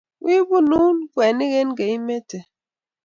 Wi butun kwenik eng' keimete